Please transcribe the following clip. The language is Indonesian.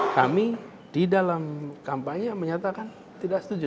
kami di dalam kampanye menyatakan tidak setuju